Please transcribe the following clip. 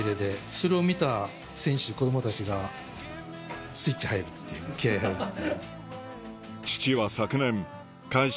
それを見た選手子供たちがスイッチ入るっていう気合入って。